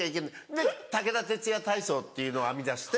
で武田鉄矢体操っていうのを編み出して。